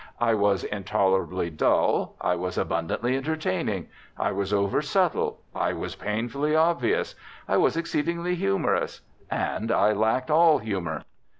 I was intolerably dull, I was abundantly entertaining, I was over subtle, I was painfully obvious, I was exceedingly humorous, and I lacked all humour.